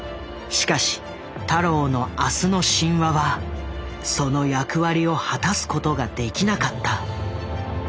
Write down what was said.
しかし太郎の「明日の神話」はその役割を果たすことができなかった。